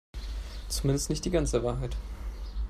Zumindest nicht die ganze Wahrheit.